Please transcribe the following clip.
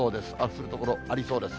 降る所ありそうです。